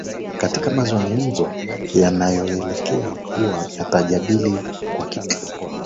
katika mazungumzo yanayoeleza kuwa yatajadili kwa kina